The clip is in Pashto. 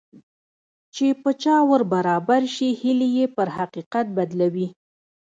چې په چا ور برابر شي هيلې يې پر حقيقت بدلوي.